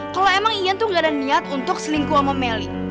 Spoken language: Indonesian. kalo emang ian tuh gak ada niat untuk selingkuh sama melly